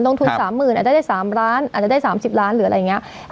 ลงทุน๓๐๐๐อาจจะได้๓ล้านอาจจะได้๓๐ล้านหรืออะไรอย่างนี้